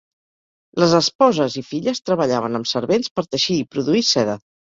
Les esposes i filles treballaven amb servents per teixir i produir seda.